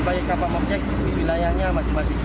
baik kapal objek di wilayahnya masing masing